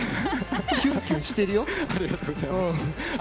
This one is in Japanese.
キュンキュンしてるよ。